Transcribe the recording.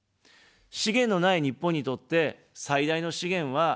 資源のない日本にとって最大の資源は人材です。